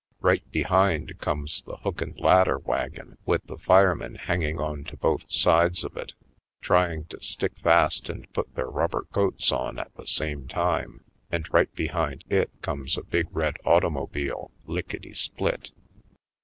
Right be hind comes the hook and ladder wagon with the firemen hanging onto both sides of it, trying to stick fast and put their rub ber coats on at the same time; and right be hind it comes a big red automobile, lick etty split.